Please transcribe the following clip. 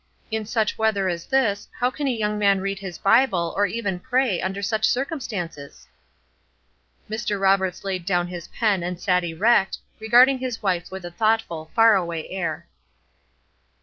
In such weather as this, how can a young man read his Bible, or even pray, under such circumstances?" Mr. Roberts laid down his pen and sat erect, regarding his wife with a thoughtful, far away air.